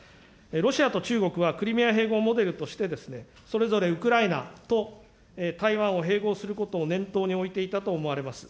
ロシアと中国はクリミア併合をモデルとして、それぞれウクライナと台湾を併合することを念頭に置いていたと思われます。